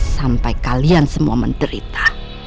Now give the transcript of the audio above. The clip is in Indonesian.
sampai kalian semua menderita